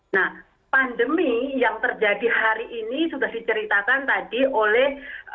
nah pandemi yang terjadi hari ini sudah diceritakan tadi oleh